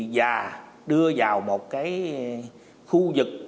và đưa vào một khu vực